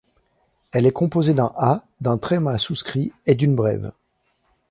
Elle est composée d’un A, d’un tréma souscrit et d’une brève.